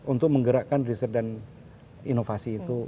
untuk menggerakkan riset dan inovasi itu